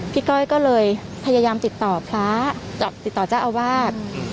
ก้อยก็เลยพยายามติดต่อพระติดต่อเจ้าอาวาส